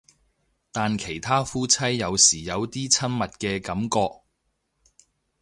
但其他夫妻有時有啲親密嘅感覺